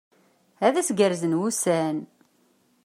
Ad as-gerrzen wussan!